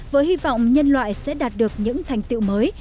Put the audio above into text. với hy vọng nhân loại sẽ đạt được những thành tiệu mới